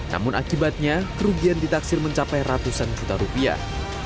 namun akibatnya kerugian ditaksir mencapai ratusan juta rupiah